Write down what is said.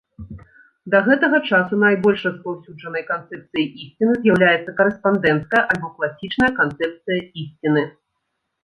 Да гэтага часу найбольш распаўсюджанай канцэпцыяй ісціны з'яўляецца карэспандэнцкая або класічная канцэпцыя ісціны.